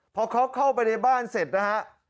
พอเขาเข้าไปในบ้านเสร็จนะฮะ